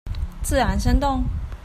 自然生動